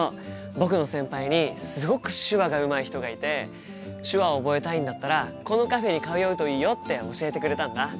僕の先輩にすごく手話がうまい人がいて手話を覚えたいんだったらこのカフェに通うといいよって教えてくれたんだ。